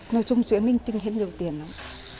nói chung chuyện linh tinh hết nhiều tiền lắm